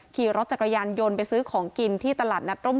ขี่รถจักรยานยนต์ไปซื้อของกินที่ตลาดนัดร่ม